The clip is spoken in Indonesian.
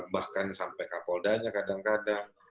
bahkan sampai kapoldanya kadang kadang